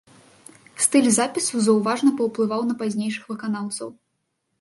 Стыль запісу заўважна паўплываў на пазнейшых выканаўцаў.